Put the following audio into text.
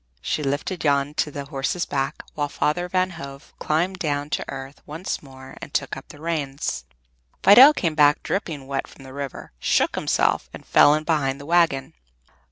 She lifted Jan to the horse's back, while Father Van Hove climbed down to earth once more and took up the reins. Fidel came back dripping wet from the river, shook himself, and fell in behind the wagon.